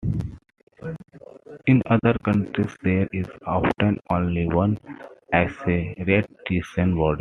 In other countries there is often only one Accreditation Body.